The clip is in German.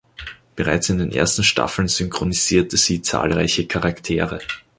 Bereits in den ersten Staffeln synchronisierte sie zahlreiche Charaktere.